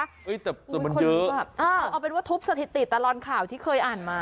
แต่มันเยอะเอาเป็นว่าทุบสถิติตลอดข่าวที่เคยอ่านมา